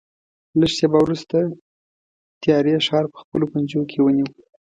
لږ شېبه وروسته تیارې ښار په خپلو پنجو کې ونیو.